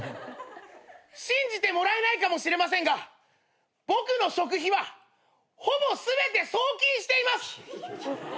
信じてもらえないかもしれませんが僕の食費はほぼ全て送金しています。